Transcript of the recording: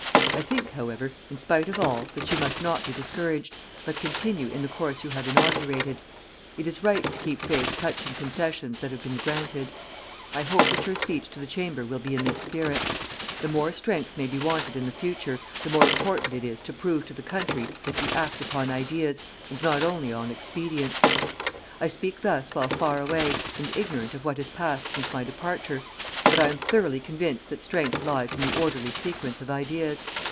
I think, however, in spite of all, that you must not be discouraged, but continue in the course you have inaugurated. It is right to keep faith touching concessions that have been granted. I hope that your speech to the Chamber will be in this spirit. The more strength may be wanted in the future, the more important it is to prove to the country that we act upon ideas, and not only on expedients. I speak thus while far away, and ignorant of what has passed since my departure, but I am thoroughly convinced that strength lies in the orderly sequence of ideas.